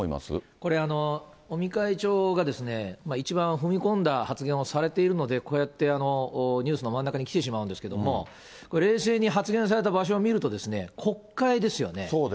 これ、尾身会長が一番、踏み込んだ発言をされているので、こうやってニュースの真ん中に来てしまうんですけれども、冷静に発言された場所を見るとですね、国会ですよね。